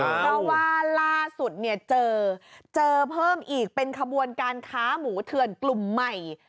เพราะว่าล่าสุดเนี่ยเจอเจอเพิ่มอีกเป็นขบวนการค้าหมูเถื่อนกลุ่มใหม่